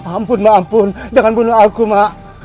ampun mbak ampun jangan bunuh aku mbak